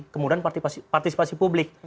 kemudahan partisipasi publik